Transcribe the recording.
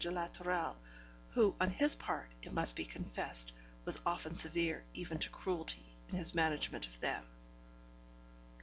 de la Tourelle, who on his part, it must be confessed, was often severe even to cruelty in his management of them.